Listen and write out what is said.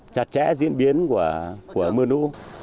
chặt chẽ diễn biến của mưa nú